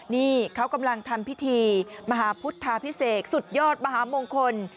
นี่เขากำลังทำพิธีมหาพุทธาพิเศษสุดยอดมหามงคล